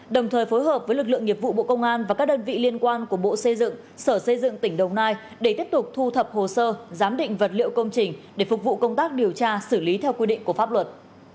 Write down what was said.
đồng thời phối hợp với lực lượng nghiệp vụ bộ công an và các đơn vị liên quan của bộ xây dựng sở xây dựng tỉnh đồng nai để tiếp tục thu thập hồ sơ giám định vật liệu công trình để phục vụ công tác điều tra xử lý theo quy định của pháp luật